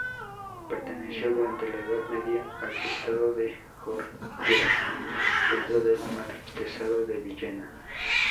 Perteneció durante la Edad Media al "Estado de Jorquera", dentro del marquesado de Villena.